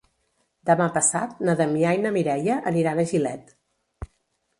Demà passat na Damià i na Mireia aniran a Gilet.